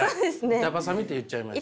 板挟みって言っちゃいました。